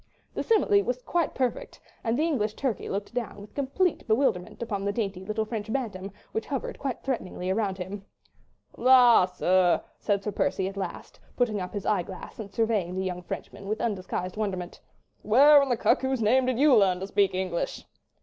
The simile was quite perfect, and the English turkey looked down with complete bewilderment upon the dainty little French bantam, which hovered quite threateningly around him. "La! sir," said Sir Percy at last, putting up his eye glass and surveying the young Frenchman with undisguised wonderment, "where, in the cuckoo's name, did you learn to speak English?"